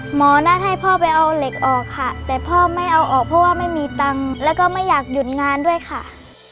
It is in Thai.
หมอนัดให้พ่อไปเอาเหล็กออกค่ะแต่พ่อไม่เอาออกเพราะว่าไม่มีตังค์แล้วก็ไม่อยากหยุดงานด้วยค่ะ